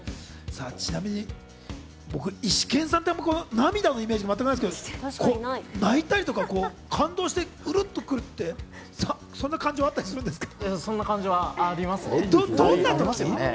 ちなみに、イシケンさんって涙のイメージがないんですけれど、泣いたりとか感動してうるってくるって、そんな感情あったりするそんな感情ありますね。